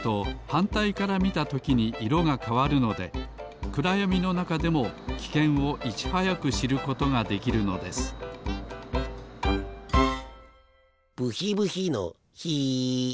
はんたいからみたときに色がかわるのでくらやみのなかでもきけんをいちはやくしることができるのですブヒブヒのヒ！